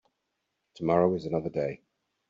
Tomorrow is another day.